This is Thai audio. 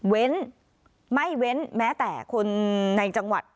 เว้นไม่เว้นแม้แต่คนในจังหวัด